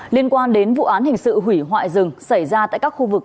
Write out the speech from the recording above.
liên quan đến vụ án hình sự hủy hoại rừng xảy ra tại các khu vực